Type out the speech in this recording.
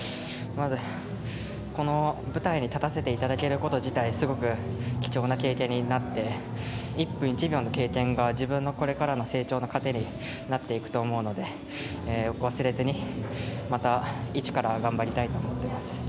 この舞台に立たせていただけること自体、すごく貴重な経験になって一分一秒の経験が自分のこれからの成長の糧になっていくと思うので忘れずにまた、一から頑張りたいなと思っています。